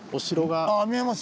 あ見えます